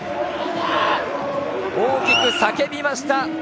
大きく叫びました。